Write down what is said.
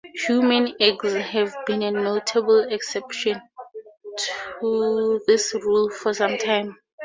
Human eggs have been a notable exception to this rule for some time.